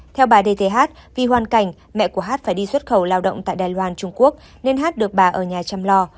theo bà dth vì hoàn cảnh mẹ của hát phải đi xuất khẩu lao động tại đài loan trung quốc nên hát được bà ở nhà chăm lo